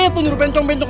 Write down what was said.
tuh nyuruh bencong bencong